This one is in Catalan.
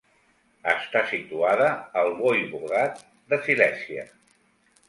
Està situada al voivodat de Silèsia.